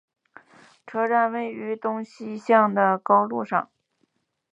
车站位于东西向的高路上。